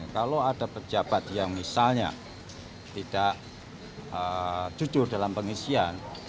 kalau ada pejabat yang misalnya tidak jujur dalam pengisian